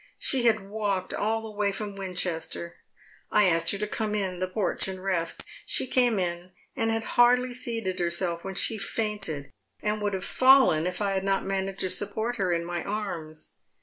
She had walked all the way from Winchester. I asked her to come in the porch and rest. She came in, and had hardly seated herself when she fainted, and would have iallen if I had not managed to support her in my ai ms.